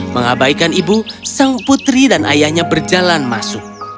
mengabaikan ibu sang putri dan ayahnya berjalan masuk